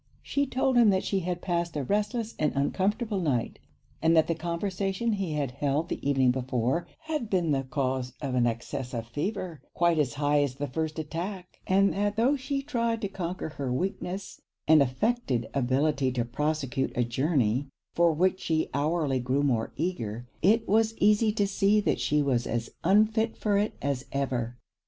She told him that she had passed a restless and uncomfortable night, and that the conversation he had held the evening before had been the cause of an access of fever quite as high as the first attack; and, that tho' she tried to conquer her weakness, and affected ability to prosecute a journey for which she hourly grew more eager, it was easy to see that she was as unfit for it as ever.